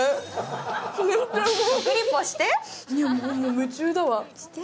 夢中だわ。